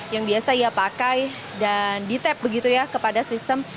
yang biasa ia pakai dan di tap begitu ya kepada sistem